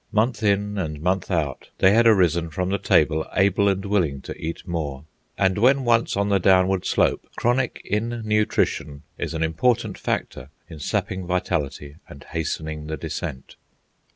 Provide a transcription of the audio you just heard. Month in and month out, they had arisen from the table able and willing to eat more. And when once on the downward slope, chronic innutrition is an important factor in sapping vitality and hastening the descent.